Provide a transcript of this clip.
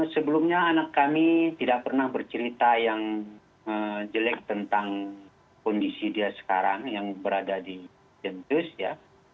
sebelumnya anak kami tidak pernah bercerita yang jelek tentang kondisi dia sekarang yang berada di jentus ya